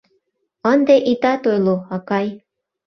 Ынде итат ойло, акай!